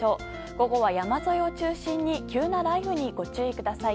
午後は山沿いを中心に急な雷雨にご注意ください。